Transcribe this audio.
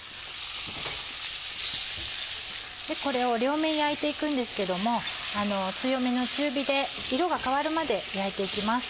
これを両面焼いて行くんですけども強めの中火で色が変わるまで焼いて行きます。